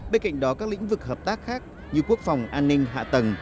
bên cạnh đó các lĩnh vực hợp tác khác như quốc phòng an ninh hạ tầng